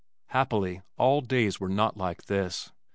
Happily all days were not like this.